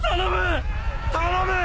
頼む！